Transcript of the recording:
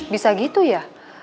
bisa gitu ya